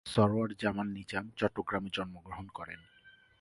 সরওয়ার জামাল নিজাম চট্টগ্রামে জন্মগ্রহণ করেন।